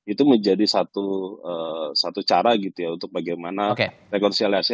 itu menjadi satu cara untuk bagaimana rekonstruksi aliasnya